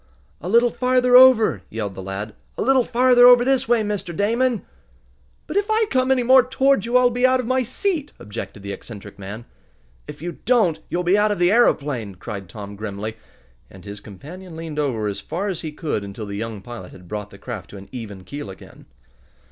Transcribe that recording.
"A little farther over!" yelled the lad. "A little farther over this way, Mr. Damon!" "But if I come any more toward you I'll be out of my seat!" objected the eccentric man. "If you don't you'll be out of the aeroplane!" cried Tom grimly, and his companion leaned over as far as he could until the young pilot had brought the craft to an even keel again.